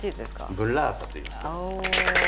ブッラータといいます。